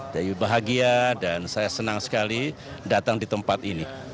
dewi bahagia dan saya senang sekali datang di tempat ini